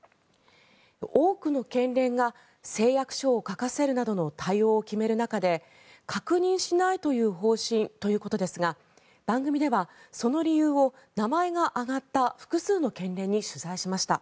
多くの県連が誓約書を書かせるなどの対応を決める中で確認しないという方針ということですが番組ではその理由を名前が挙がった複数の県連に取材しました。